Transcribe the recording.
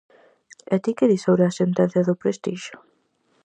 E ti que dis sobre a sentenza do "Prestixe"?